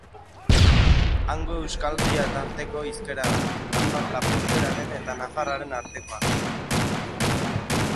Hango euskalkia tarteko hizkera da, nafar-lapurteraren eta nafarreraren artekoa.